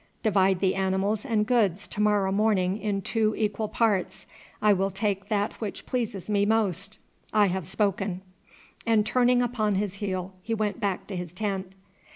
Divide the animals and goods to morrow morning in two equal parts. I will take that which pleases me most. I have spoken;" and turning upon his heel he went back to his tent.